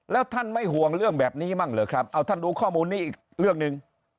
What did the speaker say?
แล้วท่านไม่ห่วงเรื่องแบบนี้บ้างเหรอครับเอาท่านดูข้อมูลนี้อีกเรื่องหนึ่ง